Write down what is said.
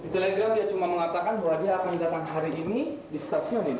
telegramnya cuma mengatakan bahwa dia akan datang hari ini di stasiun ini